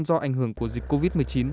do ảnh hưởng của dịch covid một mươi chín